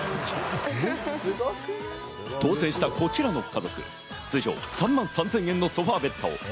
当選したこちらの家具、通常３万３０００円のソファーベッド。